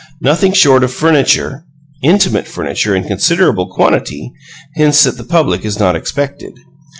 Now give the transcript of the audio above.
Nothing short of furniture intimate furniture in considerable quantity hints that the public is not expected.